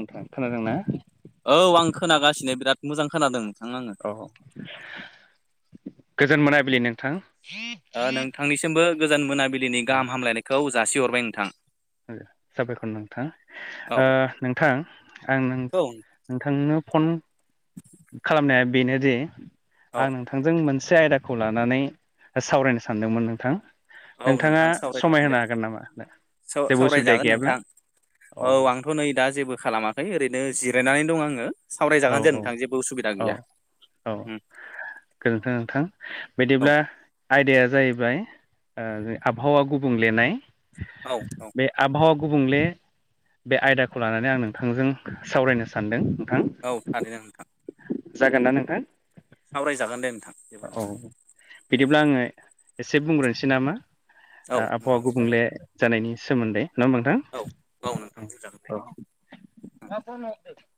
नोंथां खोनादों ना? औ आं खोनागासिनो बिराद मोजां खोनादों नोंथां आङो औ गोजोन मोनाबिलि नोंथां ओ नोंथांनिसिमबो गोजान मोनाबिलिनि औ गाहाम हामलायनायखौ जासिहरबाय नोंथां साबायखर नोंथां औ नोंथां आं नों औ नोंथांनो फन खालामनाया बेनोदिे आं नोंथां नोंथांजों मोनसे आयदाखौ लानानै सावरायनो सानदोंमोन नोंथां औ नोंथाङा नोंथां समाय सावरायजागोन दे होनो हागोन नामा जेबो उसुबिदा सावरायजागोन गैयाब्ला नोंथां औ आं बेखौ नै दा जेबो खालामाखै ओरैनो जिरायनानै दं आङो औ सावरायजागोन जे औ नोंथां जेबो उसुबिदा औ गैया औ गोजोन्थों नोंथां औ बिदिब्ला आयदाया जाहैबाय आबहावा गुबुंलेनाय औ औ बे आबहावा गुबुंले बे आयदाखौ लानानै आं नोंथांजों सावरायनो सानदों नोंथां औ थादों न नोंथां जागोन ना नोंथां सावरायजागोन दे नोंथां जेबो औ नङा बिदिब्ला आङो एसे बुंग्रोनोसै नामा औ आबहावा नोंथां बुंजागोन गुबुंले जानायनि सोमोनदै नङा होमबा नोंथां औ औ नोंथां बुंजागोन दे औ मा सावरायनो नागेरदों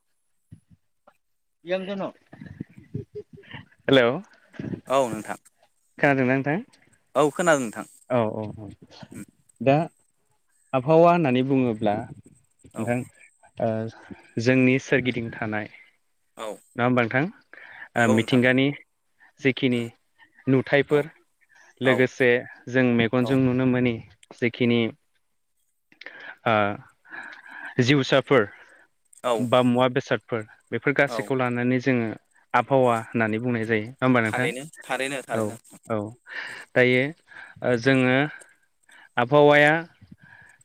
[unintelligible] हेल' औ नोंथां खोनादों ना नोंथां औ खोनादों नोंथां औ औ औ दा आबहावा होननानै बुङोब्ला औ नोंथां जोंनि सोरगिदिं थानाय औ नङा होमबा नोंथां नंगौ नोंथां औ मिथिंगानि जिखिनि नुथायफोर औ लोगोसे जों मेगनजों औ नुनो मोनोनि जेखिनि जिउसाफोर औ बा मुवा बेसादफोर बेफोर औ गासैखौ लानानै जोङो औ आबहावा होननानै बुंनाय जायो नङा होमबा नोंथां थारैनो थारैनो औ थारैनो औ दायो जोङो आबहावाया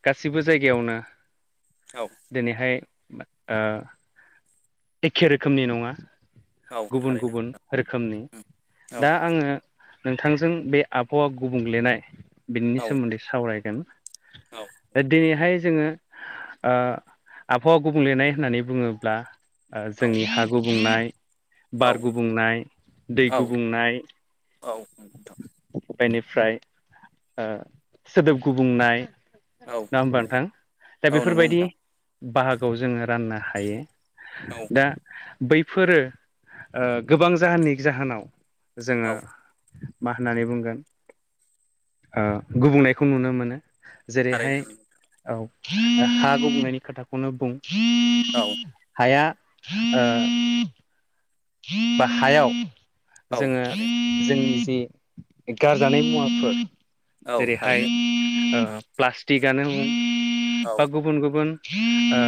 गासिबो जायगायावनो औ दिनैहाय एखे रोखोमनि नङा औ गुबुन थारैनो गुबुन रोखोमनि उम औ दा आङो नोंथांजों बे आबहावा गुबुंलेनाय बिनि औ सोमोन्दै सावरायगोन औ दिनैहाय जोङो आबहावा गुबुंलेनाय होननानै बुङोब्ला औ जोंनि हा गुबुंनाय बार गुबुंनाय दै गुबुंनाय औ नोंथां बेनिफ्राय सोदोब गुबुंनाय औ ना होमबा नोंथां औ दा बेफोरबायदि नोंथां बाहागोयाव जोङो राननो हायो औ दा बैफोरो गोबां जाहोननि जाहोनाव जोङो मा होननानै बुंगोन? ओ गुबुंनायखौ नुनो मोनो। जेरैहाय थारैनो औ ओ हा गुबुंनायनि खोथाखौनो बुं औ नंगौ नोंथां औ थारैनो नंगौ हाया ओ बा हायाव औ जोङो थारैनो जोंनि जि गारजानाय मुवाफोर औ जेरैहाय थारैनो औ ओ प्लास्टिकआनो [unintelligible] औ बा गुबुन गुबुन ओ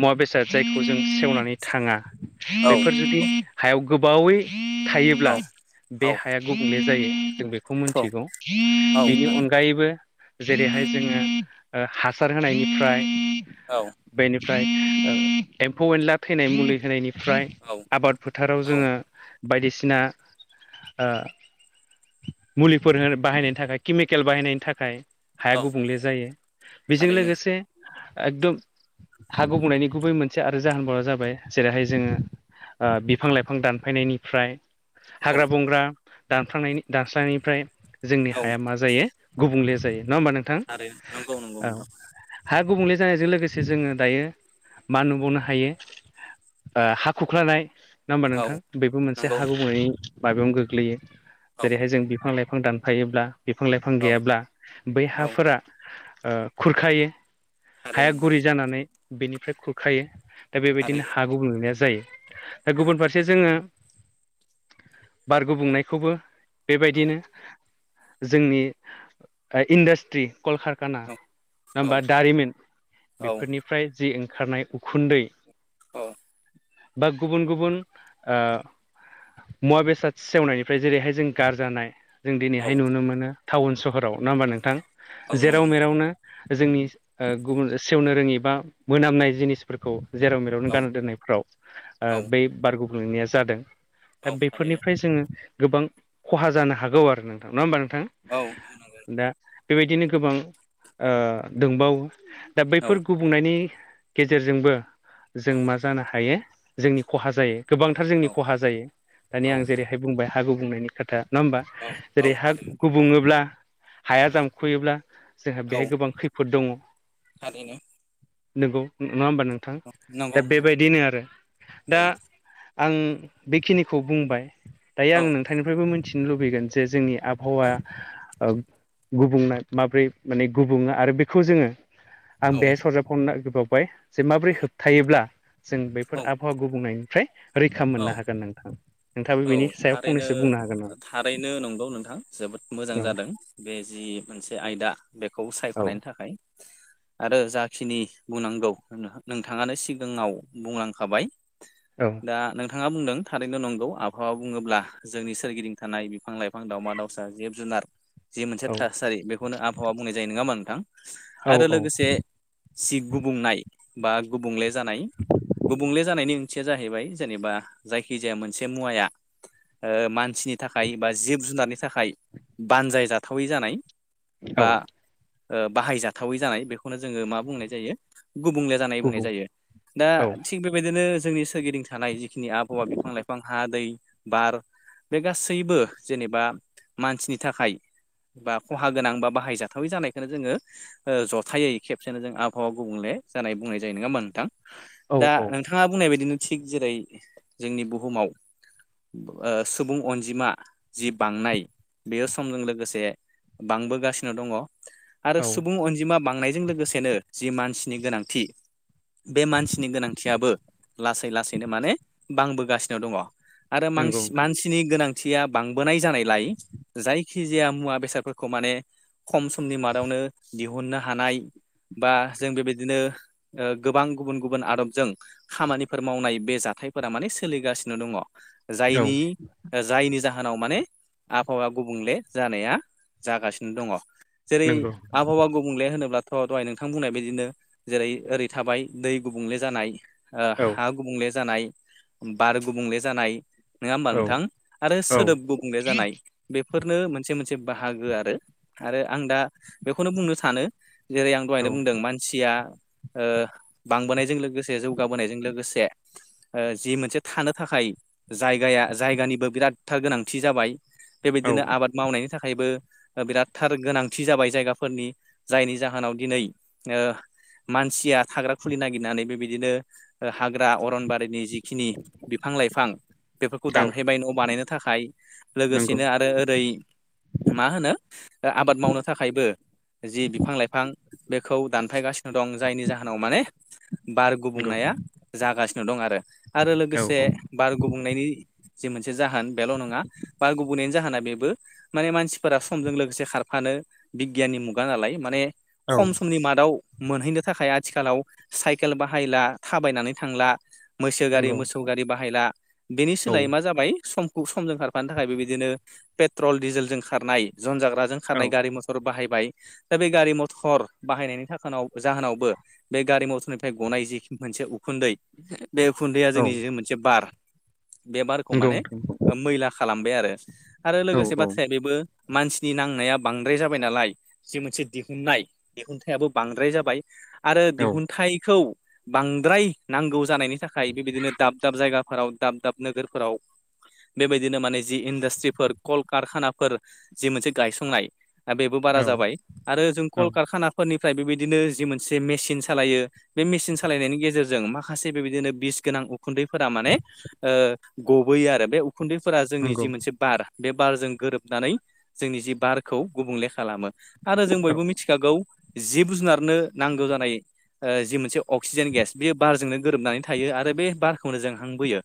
मुवा बेसाद जायखौ जों सेवनानै थाङा। औ बेफोद जुदि हायाव गोबावै थायोब्ला औ बे हाया गुबुंले जायो। जों बे खौ मोन्थिगौ। बिनि थारैनो अनगायैबो जेरैहाय उम जोङो ओ हासार होनायनिफ्राय औ बेनिफ्राय ओ एम्फौ एनला थैनाय मुलि होनायनिफ्राय आबाद फोथाराव औ जोङो बायदिसिना ओ मुलिफोर होन बाहायनायनि थाखाय किमिकेल बाहायनायनि थाखाय हाया गुबुंले जायो। बेजों थारैनो लोगोसे एकदम हा गुबुंनायनि गुबै मोनसे आरो जाहोनफोरा जाबाय जेरैहाय जोङो ओ बिफां लाइफां दानफायनायनिफ्राय औ हाग्रा बंग्रा दानखांनायनि दानस्रांनायनिफ्राय जोंनि औ हाया मा जायो गुबुंले जायो। नङा होमबा नों थां थारैनो नंगौ नंगौ औ। नोंथां हा गुबुंले जानायजों लोगोसे जोङो दायो मा नुबावनो हायो ओ हा खुख्लानाय नङा होमबा औ नोंथां बेबो मोनसे नंगौ हा नोंथां गुबुंनायनि माबायावनो गोग्लैयो। औ जेरैहाय जों बिफां लाइफां दानफायोब्ला बिफां लाइफां औ गैयाब्ला बै औ हाफोरा ओ खुरखायो हाया थारैनो गुरै जानानै। बिनिफ्राय खुरखायो दा बेबायदिनो थारैनो हा गुबुंलायनाया जायो। दा औ गुबुन फारसे जोङो बार गुबुंनायखौबो बेबायदिनो जोंनि आ इन्डास्ट्रि कल कारखाना औ नङा औ होमबा दारिमिन औ बेफोरनिफ्राय जि ओंखारनाय उखुन्दै अ बा गुबुन गुबुन ओ मुवा बेसाद सेवनायनिफ्राय जेरैहाय जों गारजानाय जों औ दिनैहाय नुनो मोनो टाउन सहराव नङा होमबा नोंथां? औ जेराव नंगौ नोंथां मेरावनो जोंनि ओ गुबुन सेवनो रोङि बा मोनामनाय जिनिस फोरखौ जेराव औ मेरावनो गानना दोननायफ्राव आ औ बै बार गुबुंलेनाया जादों। औ दा थारैनो बेफोरनिफ्राय जोङो गोबां खहा जानो हागौ आरो नोंथां। नङा होमबा नोंथां? औ [inaudible] दा बेबायदिनो गोबां ओ दोंबावो। दा बैफोर नंगौ गु बुंनायनि गेजेरजोंबो जों औ मा जानो हायो जोंनि खहा जायो। गोबांथार औ जोंनि खहा जायो दानि आं औ जेरैहाय बुंबाय हा गुबुंनायनि खोथा। नङा होमबा? औ औ जेरै हा थारैनो गुबुङोब्ला हाया जामखुयोब्ला जोंहा औ बेहाय गोबां खैफोद दङ। थारैनो नोंगौ नङा होमबा नोंथां दा नंगौ नंगौ बेबायदि नो आरो। औ दा आं बेखिनिखौ बुंबाय। दायो औ आं नोंथांनिफ्रायबो मिथिनो लुबैगोन जे जोंनि आब हौवाया ओ गुबुंनाय माब्रै माने गुबुङो आरो बेखौ जोङो आं औ बेहाय सरजाबफानो नागिरबावबाय जे माबोरै होबथायोब्ला जों बैफोर औ हावा गुबुंनायनिफ्राय रैखा औ मोननो हागोन नोंथां। नोंथाङाबो औ बेनि सायाव थारैनो फंनैसो बुंनो हागोन ना? थारैनो नंगौ नोंथां जोबोद मोजां जादों बे जि मोनसे आयदा। बेखौ हागोन नामा औ सायख'नायनि थाखाय [inaudible] आरो जाखिनि बुंनांगौ नोंथाङानो सिगाङाव बुंलांखाबाय। औ दा नोंथाङा बुंदों थारैनो नंगौ आबहावा बुङोब्ला जोंनि सोरगिदिं थानाय बिफां लाइफां दावमा दाउ सा जिब जुनार जि मोनसे औ थासारि बेखौनो आबहावा बुंनाय जायो नङा मा नोंथां आरो औ लोगोसे सि गुबुंनाय बा गुबुंले जानाय गुबुंले जानायनि ओंथिया जाहैबाय जेनेबा जायखि जाया मोनसे मुवाया ओ मानसि मानसिनि थाखाय बा जिब जुनारनि थाखाय बानजाय जाथावै जानाय औ बा ओ बाहायजाथावै जानाय बेखौनो जोङो मा बुंनाय जायो गुबुंले जानाय बुंनाय गुबुं जायो दा औ थिग बेबायदिनो जोंनि सोरगिदिं थानाय बेखिनि आबहावा बिफां लाइफां हा दै बार बे गासैबो जेनेबा मानसिनि थाखाय बा खहा गोनां बा बाहायजाथावै जानायखौनो जोङो ओ जथायै खेबसेनो जों आबहावा गुबुंले जानाय बुंनाय जायो नङा होनबा नोंथां। औ दा औ नोंथाङा बुंनाय बायदिनो थिग जेरै जोंनि बुहुमाव ओ सुबुं अनजिमा जि बांनाय बेयो समजों लोगोसे बांबोगासिनो दङ आरो औ सुबुं अनजिमा बांनायजों लोगोसे नो जि मानसिनि गोनांथि बे मानसिनि गोनांथियाबो लासै लासैनो माने बांबोगासिनो दङ आरो नंगौ नोंथां मानसि नि गोनांथिया बांबोनाय जानायलाय जायखिजाया मुवा बेसादफोरखौ माने खम समनि मादावनो दिहुननो हानाय बा जों बेबायदिनो गोबां गुबुन गुबुन आदबजों खामानि फोर मावनाय बे जाथायफोरा माने सोलिगासिनो दङ औ जायनि जायनि जाहोनाव माने आबहावा गुबुंले जानाया जागासिनो दङ। जेरै नंगौ आबहावा गुबुंले होनोब्ला थ' दहाय नोंथां बुंनायबायदिनो जेरै ओरै थाबाय दै गुबुंले जानाय ओ औ हा गुबुंले जानाय बार गुबुंले जानाय नङा होमबा औ नोंथां आरो औ सोदोब गुबुंले जानाय। बेफोरनो मोनसे मोनसे बाहागो आरो आरो आं दा बेखौनो बुंनो सानो जेरै आं दहायनो बुंदों मानसिया ओ बांबोनायजों लोगोसे जौगाबोनायजों लोगोसे जि मोनसे थानो थाखाय जायगाया जायगानिबो बिराद थार गोनांथि जाबाय। औ बेबायदिनो आबाद मावनायनि थाखायबो बिराद थार गोनांथि जाबाय जायगाफोरनि जायनि जाहोनाव दिनै ओ मानसिया थाग्रा खुलि नागिरनानै बेबायदिनो हाग्रा अरनबारि जिखिनि बिफां लाइफां बेफोरखौ औ दानहैबाय न' बानायनो थाखाय। नंगौ लोगोसेनो आरो ओरै मा होनो आबाद मावनो थाखायबो जि बिफां लाइफां बेखौ दानफायगासिनो दं जायनि जाहोनाव माने बार नंगौ गुबुंनाया जागासिनो दं आरो। आरो औ लोगोसे औ बार गुबुंनायनि जि मोनसे जाहोन बेल' नङा बार गुबुंनायनि जाहोना बेबो माने मानसिफोरा समजों लोगोसे खारफानो बिगियाननि मुगा नालाय माने औ खम समनि मादाव मोनहैनो थाखाय आथिखालाव साइकेल बाहायला थाबायनानै थांला मैसो गारि नंगौ मोसौ गारि बाहायला बेनि औ सोलायै मा जाबाय सम सम जों खारफानो थाखाय बेबायदिनो पेट्रल डिजेलजों खारनाय जन जाग्रा जों औ खारनाय गारि मथर बाहायबाय। दा बे गारि मटर बाहायनायनि थाखाव जाहोनावबो बे गारि मथरनिफ्राय गनाय जि मोनसे उखुन्दै बे उखुन्दैया औ जोंनि जि मोनसे बार बे बारखौ नंगौ माने नोंथां मैला खालामबाय आरो आरो औ लोगोसे औ बाथ्राया बेबो मानसिनि नांनाया बांद्राय जाबाय नालाय जि मोनसे दिहुननाय दिहुनथायाबो बांद्राय जाबाय। आरो औ दिहुनथाइखौ बांद्राय नांगौ जानायनि थाखाय बेबायदिनो दाब दाब जायगाफोराव दाब दाब नोगोरफोराव बेबायदिनो माने जि इन्डास्ट्रिफोर कल कारखानाफोर जि मोनसे गायसंनाय दा बेबो बारा औ जाबाय आरो जों औ कल कारखाना फोरनिफ्राय बेबायदिनो जि मोनसे मेचन सालायो बे मेसिन सालायनायनि गेजेर जों माखासे बेबायदिनो बिस गोनां उखुनदैफोरा माने ओ गबोयो आरो बे उखुनदैफोरा जोंनि नंगौ जि मोनसे बार बे बारजों गोरोबनानै जोंनि जि बारखौ गुबुंले खालामो आरो जों औ बयबो मिथिखागौ जिब जुनारनो नांगौ जानाय जि मोनसे अक्सिजेन गेस बे बारजोंनो गोरोबनानै थायो आरो बे बारखौनो जों हांबोयो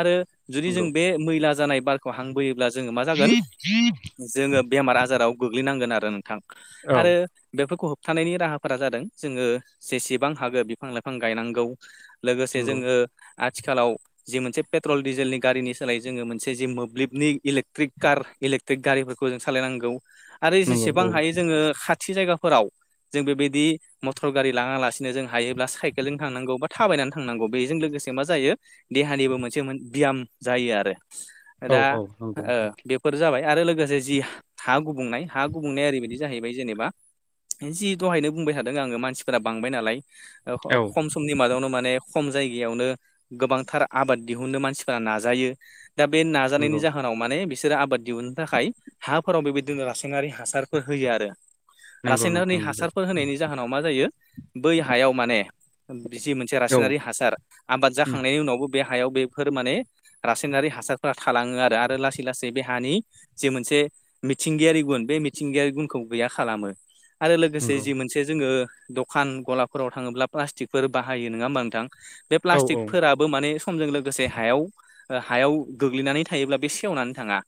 आरो जुदि जों नंगौ बे मैला जानाय बारखौ हांबोयोब्ला जोङो मा जागोन जोङो बेमार आजाराव गोग्लैनांगोन आरो नोंथां औ आरो बेफोरखौ होबथानायनि राहाफोरा जादों जोङो जेसेबां हागो बिफां लाइफां गायनांगौ लोगोसे नंगौ जोङो आथिखालाव जि मोनसे पेट्रल डिजेलनि गारिनि सोलायै जोङो मोनसे जि मोब्लिबनि इलेक्ट्रिक कार इलेकट्रिक गारिफोरखौ जों सालायनांगौ आरो नंगौ जेसेबां हायो जोङो खाथि जायगा फोराव जों बेबायदि मटर गारि लाङालासिनो जों हायोब्ला साइ केलजों थांनांगौ बा थाबायनानै थांनांगौ बेजों लोगोसे मा जायो देहानिबो मोनसे बियाम जायो आरो औ दा औ नंगौ ओ नोंथां बे फोर जाबाय आरो लोगोसे जि हा गुबुंनाय हा गुबुंनाया ओरैबायदि जाहैबाय जेनेबा जि दहायनो बुंबाय थादों आङो मानसिफोरा बांबाय नालाय ओ औ खम समनि मादायावनो माने खम जायगायावनो गोबांथार आबाद दिहुनो मानसिफोरा नाजायो दा बे नाजानायनि नंगौ जाहो नाव माने बिसोरो आबाद दिहुननो थाखाय हाफोराव बेबायदिनो रासायनारि हासारफोर होयो आरो नंगौ रासायनारिनि नोंथां नंगौ हासारफोर होनायनि जाहोनाव मा जायो बै हायाव माने जि मोनसे औ रासायनारि हासार आबाद जाखांनायनि उनावबो बे हायाव बेफोर माने रासायनारि हासारफोरा थालाङो आरो आरो लासै लासै बे हानि जे मोनसे मिथिंगायारि गुन बे मिथिंगायारि गुनखौ गैया खालामो आरो लोगोसे नंगौ जि मोनसे जोङो दखान गलाफोराव थाङोब्ला प्लास्टिक फोर बाहायो नङा होमबा नोंथां बे औ प्लास्टिकफोरा बो माने समजों लोगोसे हायाव हायाव गोग्लैनानै थायोब्ला बे सेवनानै थाङा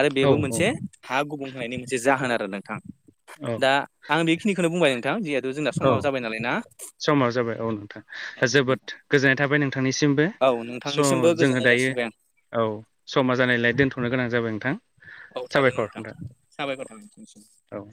आरो औ बेबो औ मोनसे हा गुबुं होनायनि मोनसे जाहोन आरो नोंथां औ दा आं बेखिनिखौनो बुंबाय नोंथां जिहेथु जोंना औ समाबो जाबाय नालाय ना समा जाबाय औ औ नोंथां जोबोद गोजोननाय थाबाय नोंथांनिसिमबो औ स' नोंथांनिसिमबो जोङो गोजोननाय दायो जासिबाय आं औ समा जानायलाय दोनथ'नो गोनां जाबाय नोंथां औ थारैनो नोंथां साबायखर थाबाय नोंथां औ